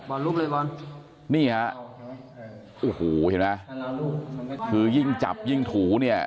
ลุกเลยบอลนี่ฮะโอ้โหเห็นไหมคือยิ่งจับยิ่งถูเนี่ย